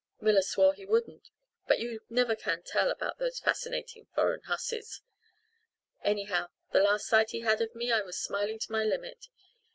Miller swore he wouldn't, but you never can tell about those fascinating foreign hussies. Anyhow, the last sight he had of me I was smiling to my limit.